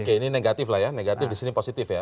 oke ini negatif lah ya negatif di sini positif ya